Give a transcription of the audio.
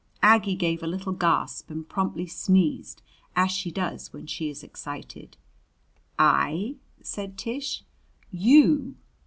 Aggie gave a little gasp and promptly sneezed, as she does when she is excited. "I?" said Tish. "You!"